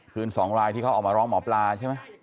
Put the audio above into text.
คืน๒รายที่เขาออกมาร้องหมอปลาใช่ไหม